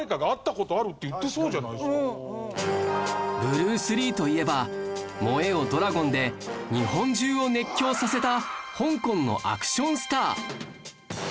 ブルース・リーといえば『燃えよドラゴン』で日本中を熱狂させた香港のアクションスター